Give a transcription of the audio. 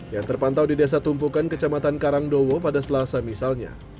yang terpantau di desa tumpukan kecamatan karangdowo pada selasa misalnya